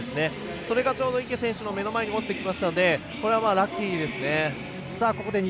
それがちょうど池選手の目の前に落ちてきましたのでラッキーでしたね。